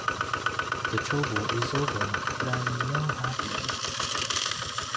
The trouble is over, but I am no happier.